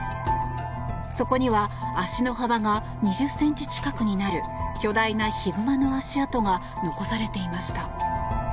そこには足の幅が２０ｃｍ近くになる巨大なヒグマの足跡が残されていました。